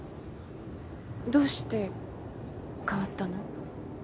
どうして変わったの？